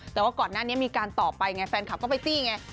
แต่ก่อนหน้านี้มีการต่อไปแฟนคลับก็ไปตี้อย่างไร